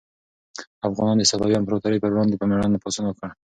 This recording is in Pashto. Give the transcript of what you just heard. افغانانو د صفوي امپراطورۍ پر وړاندې په مېړانه پاڅون وکړ.